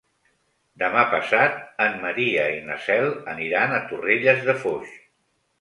Demà passat en Maria i na Cel aniran a Torrelles de Foix.